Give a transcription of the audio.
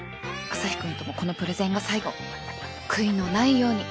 アサヒくんともこのプレゼンが最後悔いのないように！